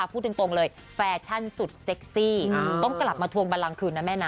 พูดตรงเลยแฟชั่นสุดเซ็กซี่ต้องกลับมาทวงบันลังคืนนะแม่นะ